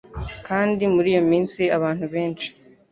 "Kandi muri iyo minsi abantu benshi